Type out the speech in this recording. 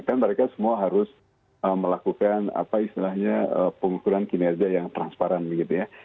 kan mereka semua harus melakukan apa istilahnya pengukuran kinerja yang transparan gitu ya